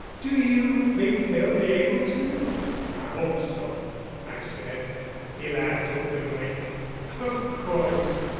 Do you think they'll be able to?" "I hope so," I said. He laughed openly. "Of course.